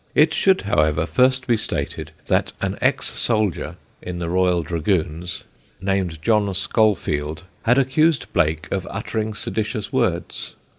It should, however, first be stated that an ex soldier in the Royal Dragoons, named John Scholfield, had accused Blake of uttering seditious words.